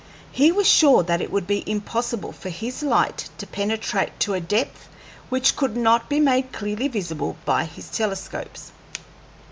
He was sure that it would be impossible for his light to penetrate to a depth which could not be made clearly visible by his telescopes.